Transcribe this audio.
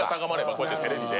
こうやってテレビで。